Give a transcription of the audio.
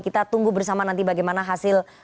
kita tunggu bersama nanti bagaimana hasil